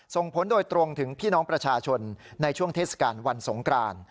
ส่งผลโดยตรงถึงพี่น้องประชาชนในช่วงเทศกาลวันสงกราน